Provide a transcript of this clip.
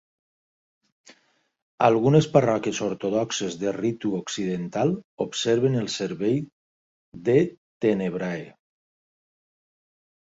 Algunes parròquies ortodoxes de ritu occidental observen el servei de Tenebrae.